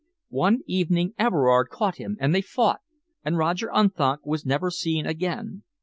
One evening Everard caught him and they fought, and Roger Unthank was never seen again.